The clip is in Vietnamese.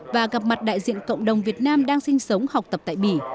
và gặp mặt đại diện cộng đồng việt nam đang sinh sống học tập tại bỉ